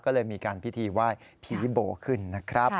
ก็เลยมีการพิธีไหว้ผีโบขึ้นนะครับ